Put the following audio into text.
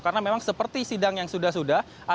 karena memang seperti sidang yang sudah sudah